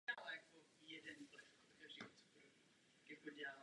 Album "Human Again" zahájilo své působení v hitparádě Billboard na pátém místě.